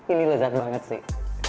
ini lezat banget sih